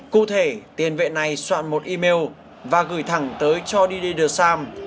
cụ thể tiền vệ này soạn một email và gửi thẳng tới cho didier deschamps